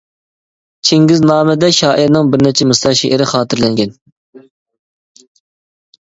«چىڭگىز نامە» دە شائىرنىڭ بىر نەچچە مىسرا شېئىرى خاتىرىلەنگەن.